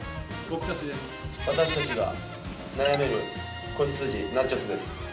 私たちが悩める子羊ナチョス。です。